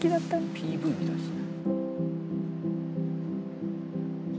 ＰＶみたいっすね。